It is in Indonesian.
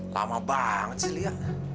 lama banget sih lia